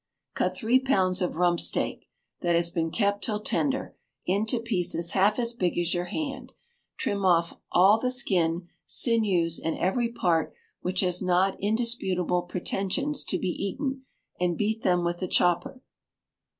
Cut three pounds of rump steak (that has been kept till tender) into pieces half as big as your hand, trim off all the skin, sinews, and every part which has not indisputable pretensions to be eaten, and beat them with a chopper.